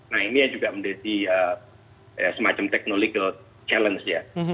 nah ini juga mendetik semacam teknologi challenge ya